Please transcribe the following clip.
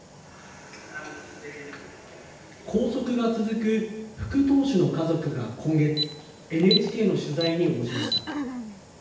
拘束が続く副党首の家族が今月、ＮＨＫの取材に応じました。